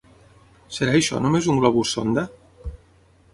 Serà això només un globus sonda?